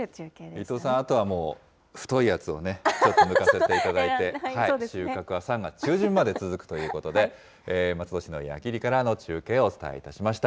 伊藤さん、あとはもう太いやつをね、ちょっと抜かせていただいて、収穫は３月中旬まで続くということで、松戸市の矢切からの中継をお伝えいたしました。